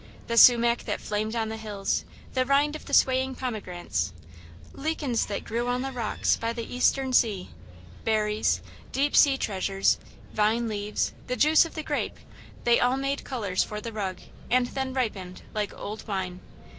The sumac that flamed on the hills, the rind of the swaying pomegranates, lichens that grew on the rocks by the Eastern sea, berries, deep sea treasures, vine leaves, the juice of the grape they all made colours for the rug, and then ripened, like old wine.